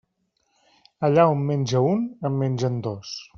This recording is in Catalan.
Allà on menja un, en mengen dos.